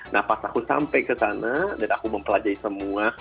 nah pas aku sampai ke sana dan aku mempelajari semua